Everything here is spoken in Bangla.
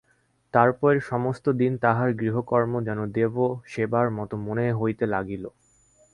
তার পরে সমস্ত দিন তাহার গৃহকর্ম যেন দেবসেবার মতো মনে হইতে লাগিল।